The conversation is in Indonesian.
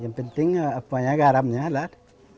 yang penting apa ya garamnya lah